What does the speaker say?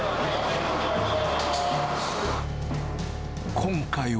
今回は。